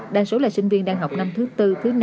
đa số là sinh viên đang học năm thứ tư thứ năm